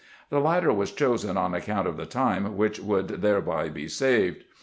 The latter was chosen on ac count of the time which would thereby be saved.